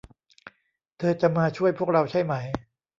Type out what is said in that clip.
เธอจะมาช่วยพวกเราใช่ไหม